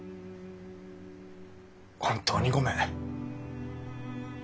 本当にごめん。